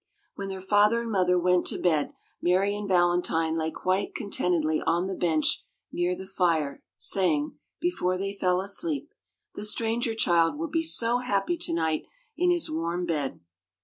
When their father and mother went to bed, Mary and Valentine lay quite contentedly on the bench near the fire, saying, before they fell asleep: "The stranger child will be so happy to night in his warm bed!"